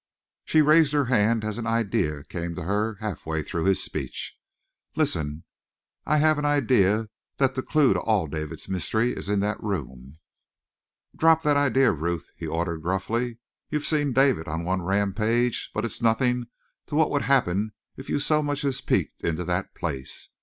She raised her hand as an idea came to her half way through this speech. "Listen! I have an idea that the clew to all of David's mystery is in that room!" "Drop that idea, Ruth," he ordered gruffly. "You've seen David on one rampage, but it's nothing to what would happen if you so much as peeked into that place.